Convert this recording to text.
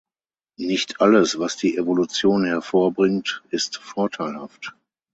Nicht alles, was die Evolution hervorbringt, ist vorteilhaft.